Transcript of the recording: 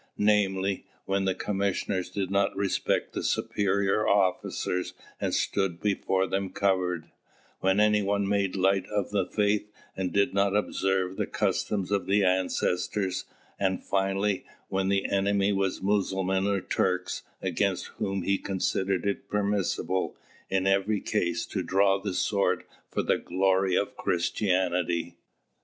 Namely, when the commissioners did not respect the superior officers and stood before them covered; when any one made light of the faith and did not observe the customs of his ancestors; and, finally, when the enemy were Mussulmans or Turks, against whom he considered it permissible, in every case, to draw the sword for the glory of Christianity.